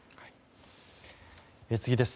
次です。